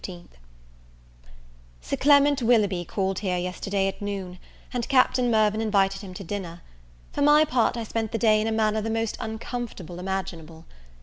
SIR CLEMENT WILLOUGHBY called here yesterday at noon, and Captain Mirvan invited him to dinner. For my part I spent the day in a manner the most uncomfortable imaginable.